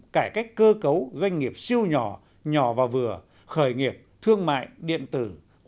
cải cách cơ cấu doanh nghiệp siêu nhỏ nhỏ và vừa khởi nghiệp thương mại điện tử